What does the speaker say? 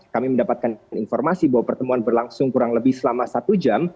kami mendapatkan informasi bahwa pertemuan berlangsung kurang lebih selama satu jam